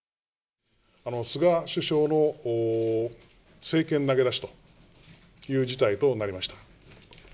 菅首相の政権投げ出しという事態となりました。